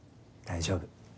大丈夫。